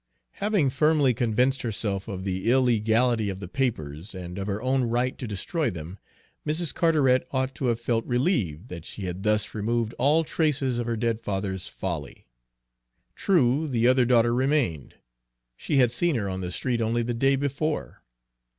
Having firmly convinced herself of the illegality of the papers, and of her own right to destroy them, Mrs. Carteret ought to have felt relieved that she had thus removed all traces of her dead father's folly. True, the other daughter remained, she had seen her on the street only the day before.